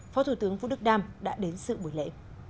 phó thủ tướng vũ đức đam đã đến sự buổi lễ